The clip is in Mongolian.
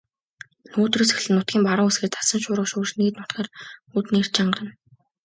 Нөгөөдрөөс эхлэн нутгийн баруун хэсгээр цасан шуурга шуурч нийт нутгаар хүйтний эрч чангарна.